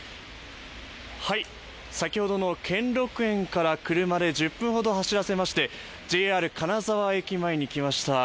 先ほどの兼六園から車で１０分ほど走らせましてＪＲ金沢駅前に来ました。